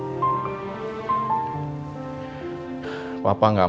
papa gak mau ada salah paham lagi sama elsa